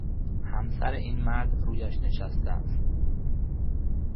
همسر این مرد رویش نشسته است.